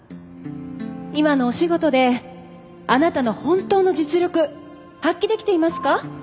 今のお仕事であなたの本当の実力発揮できていますか？